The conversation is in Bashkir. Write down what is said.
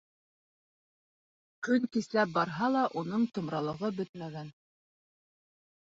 Кон кисләп барһа ла, уның томралығы бөтмәгән.